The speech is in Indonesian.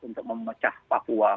untuk memecah papua